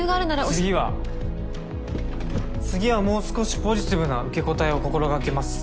次は次はもう少しポジティブな受け答えを心掛けます。